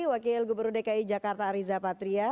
wakil gubernur dki jakarta ariza patria